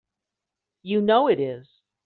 You know it is!